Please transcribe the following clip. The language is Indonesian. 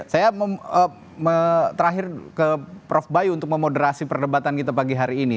saya terakhir ke prof bayu untuk memoderasi perdebatan kita pagi hari ini